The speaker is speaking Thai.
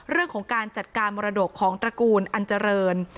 เรื่องของการจัดการมรดกของตระกูลอันเจริญ